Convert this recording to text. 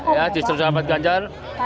ya distro sahabat ganjar